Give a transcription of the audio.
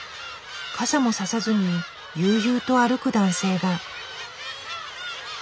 傘も差さずに悠々と歩く男性が。